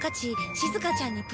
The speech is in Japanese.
しずかちゃん！